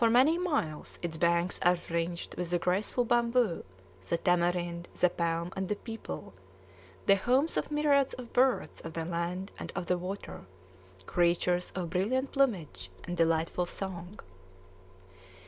For many miles its banks are fringed with the graceful bamboo, the tamarind, the palm, and the peepul, the homes of myriads of birds of the land and of the water, creatures of brilliant plumage and delightful song.